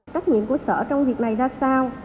cách nhiệm của sở trong việc này là sao